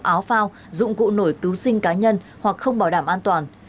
áo phao dụng cụ nổi cứu sinh cá nhân hoặc không bảo đảm an toàn